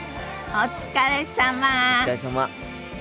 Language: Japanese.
お疲れさま。